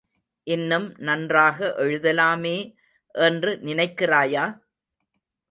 இன்னும் நன்றாக எழுதலாமே என்று நினைக்கிறாயா?